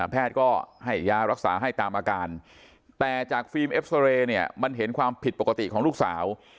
แพทย์ก็ให้ยารักษาให้ตามอาการแต่จากฟิล์มเอ็กซาเรย์เนี่ยมันเห็นความผิดปกติของลูกสาว